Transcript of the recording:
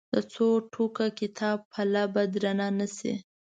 د څو ټوکه کتاب پله به درنه نه شي.